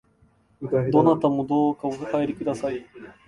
どなたもどうかお入りください